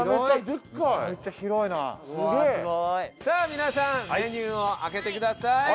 さあ皆さんメニューを開けてください。